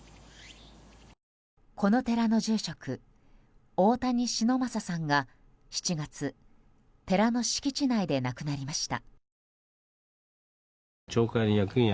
この寺の住職、大谷忍昌さんが７月寺の敷地内で亡くなりました。